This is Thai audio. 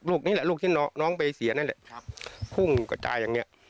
ลูกนี้แหละลูกที่น้องไปเสียนั่นแหละพุ่งกระจายอย่างนี้